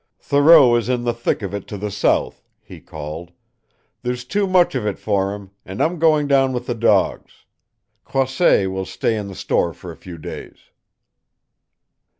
"Thoreau is in the thick of it to the south," he called. "There's too much of it for him, and I'm going down with the dogs. Croisset will stay in the store for a few days."